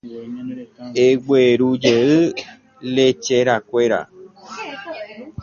Eguerujey lecherakuéra.